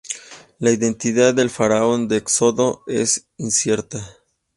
La identidad del Faraón del Éxodo es incierta.